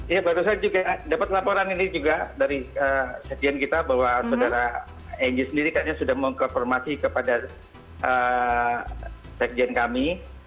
ya barusan juga dapat laporan ini juga dari sekjen kita bahwa saudara enge sendiri kan sudah mengkonformasi kepada sekjen kami